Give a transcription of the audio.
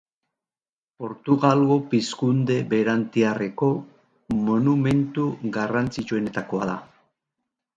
Portugalgo pizkunde berantiarreko monumentu garrantzitsuenetakoa da.